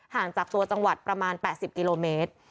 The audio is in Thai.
ห่างจากตัวจังหวัดประมาณ๘๐กิโลเมตร